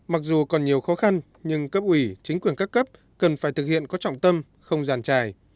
mặc dù còn nhiều khó khăn nhưng cấp ủy chính quyền các cấp cần phải thực hiện có trọng tâm không giàn trải